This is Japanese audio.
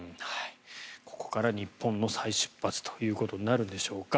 ここから日本の再出発ということになるんでしょうか。